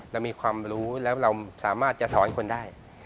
เรามีความรู้แล้วเราสามารถจะสอนคนได้